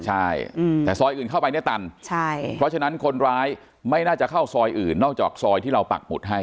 ใช่แต่ซอยอื่นเข้าไปเนี่ยตันใช่เพราะฉะนั้นคนร้ายไม่น่าจะเข้าซอยอื่นนอกจากซอยที่เราปักหมุดให้